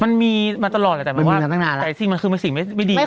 มันมีมาตลอดแต่มันคือสิ่งไม่ดี